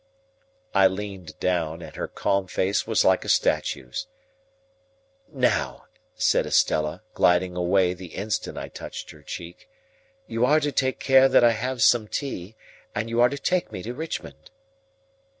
I leaned down, and her calm face was like a statue's. "Now," said Estella, gliding away the instant I touched her cheek, "you are to take care that I have some tea, and you are to take me to Richmond."